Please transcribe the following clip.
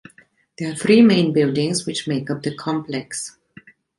There are three main buildings which make up the complex.